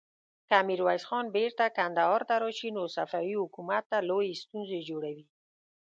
که ميرويس خان بېرته کندهار ته راشي، نو صفوي حکومت ته لويې ستونزې جوړوي.